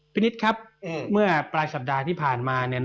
นิดครับเมื่อปลายสัปดาห์ที่ผ่านมา